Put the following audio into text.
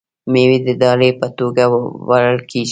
میوې د ډالۍ په توګه وړل کیږي.